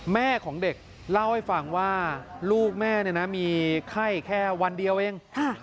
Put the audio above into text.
แม่ของเด็กเล่าให้ฟังว่าลูกแม่มีไข้แค่วันเดียวเอง